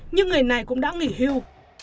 nhưng người này cũng đã nghỉ hưu